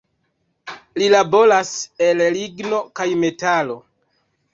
Li laboras el ligno kaj metalo.